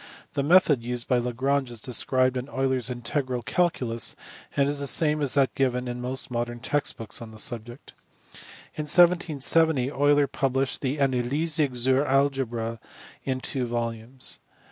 The method used by Lagrange is described in Euler s integral calculus, and is the same as that given in most modern text books on the subject. In 1770 Euler published the Anleitung zur Algebra in two volumes.